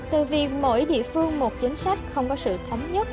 từ việc mỗi địa phương một chính sách không có sự thống nhất